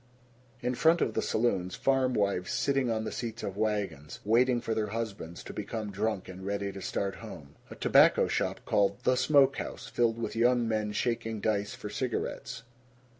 In front of the saloons, farmwives sitting on the seats of wagons, waiting for their husbands to become drunk and ready to start home. A tobacco shop called "The Smoke House," filled with young men shaking dice for cigarettes.